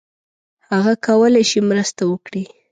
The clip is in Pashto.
هغه کولای شي مرسته وکړي.